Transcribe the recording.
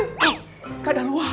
nggak ada luar